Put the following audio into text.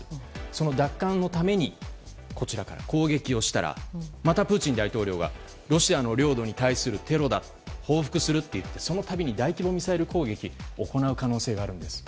その奪還のためにこちらから攻撃をしたらまたプーチン大統領がロシアの領土に対するテロだ報復すると言ってその度に大規模ミサイル攻撃を行う可能性があるんです。